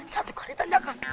satu kali tanjakan